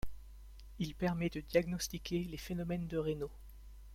Il permet de diagnostiquer les phénomènes de Raynaud.